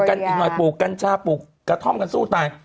อีกหน่อยปลูกกัญชาปลูกกระท่อมกันสู้ตาย